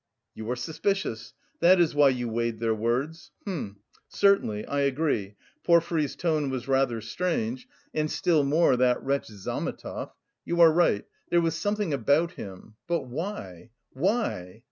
"You are suspicious. That is why you weighed their words... h'm... certainly, I agree, Porfiry's tone was rather strange, and still more that wretch Zametov!... You are right, there was something about him but why? Why?"